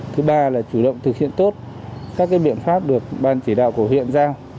thứ ba là chủ động thực hiện tốt các biện pháp được ban chỉ đạo của huyện giao